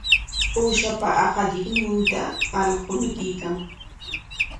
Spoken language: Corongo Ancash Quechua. Uushapa aqallinninta allqu mikuykan.